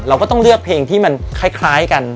เราก็ต้องเลือกเพลงที่มันคล้ายกัน